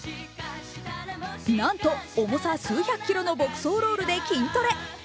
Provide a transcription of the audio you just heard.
なんと重さ数百キロの牧草ロールで筋トレ。